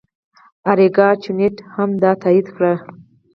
اریکا چینوت هم دا تایید کړه.